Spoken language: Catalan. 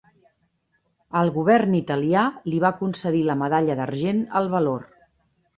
El Govern italià li va concedir la Medalla d'Argent al Valor.